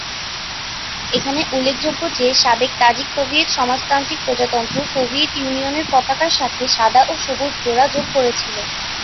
এখানে উল্লেখ্য যে, সাবেক তাজিক সোভিয়েত সমাজতান্ত্রিক প্রজাতন্ত্র, সোভিয়েত ইউনিয়নের পতাকার সাথে সাদা ও সবুজ ডোরা যোগ করেছিল।